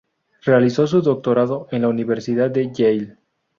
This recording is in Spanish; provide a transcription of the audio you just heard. Realizó su doctorado en la Universidad de Yale.